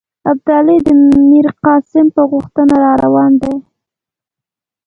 ابدالي د میرقاسم په غوښتنه را روان دی.